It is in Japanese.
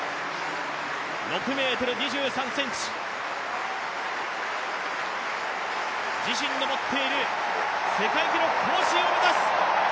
６ｍ２３ｃｍ、自身の持っている世界記録更新を目指す。